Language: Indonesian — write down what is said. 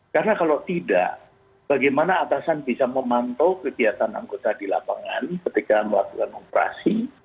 karena kalau tidak bagaimana atasan bisa memantau kegiatan anggota di lapangan ketika melakukan operasi